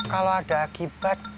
kalau ada akibat